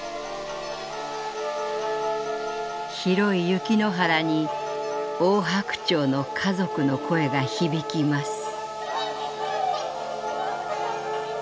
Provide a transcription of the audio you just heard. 広い雪の原にオオハクチョウの家族の声が響きます」。